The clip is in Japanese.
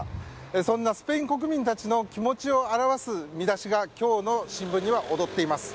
そんなスペイン国民たちの気持ちを表す見出しが今日の新聞には躍っています。